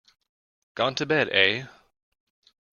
Gone to bed, eh?